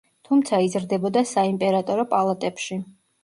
თუმცა იზრდებოდა საიმპერატორო პალატებში.